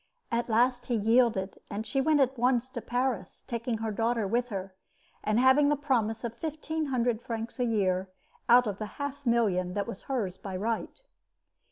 At last he yielded, and she went at once to Paris, taking her daughter with her, and having the promise of fifteen hundred francs a year out of the half million that was hers by right.